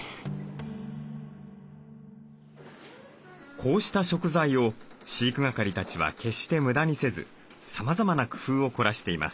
こうした食材を飼育係たちは決して無駄にせずさまざまな工夫を凝らしています。